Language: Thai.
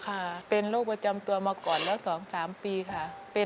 ค่ะเป็นโรคประจำตัวมาก่อนแล้ว๒๓ปีค่ะ